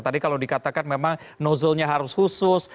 tadi kalau dikatakan memang nozzle nya harus khusus